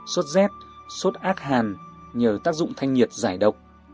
suất zét suất ác hàn nhờ tác dụng thanh nhiệt giải độc